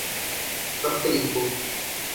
Afriko